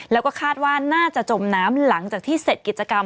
แล้วก็คาดว่าน่าจะจมน้ำหลังจากที่เสร็จกิจกรรม